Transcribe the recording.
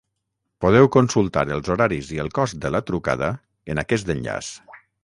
Podeu consultar els horaris i el cost de la trucada en aquest enllaç.